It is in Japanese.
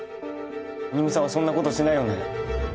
新見さんはそんなことしてないよね？